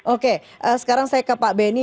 oke sekarang saya ke pak benny